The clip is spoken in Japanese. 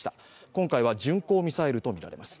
今回は巡航ミサイルとみられます。